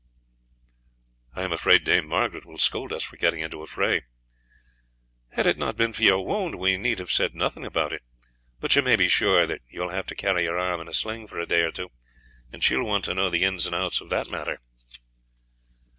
"I am afraid Dame Margaret will scold us for getting into a fray." "Had it not been for your wound we need have said nothing about it; but you may be sure that you will have to carry your arm in a sling for a day or two, and she will want to know the ins and outs of the matter."